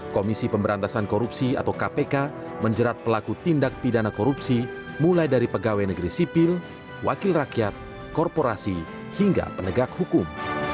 komisi pemberantasan korupsi atau kpk menjerat pelaku tindak pidana korupsi mulai dari pegawai negeri sipil wakil rakyat korporasi hingga penegak hukum